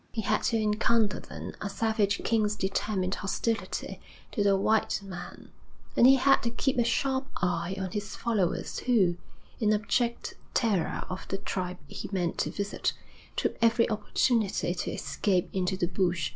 He had to encounter then a savage king's determined hostility to the white man, and he had to keep a sharp eye on his followers who, in abject terror of the tribe he meant to visit, took every opportunity to escape into the bush.